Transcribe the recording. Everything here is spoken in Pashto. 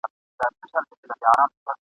د غلا تعویذ ..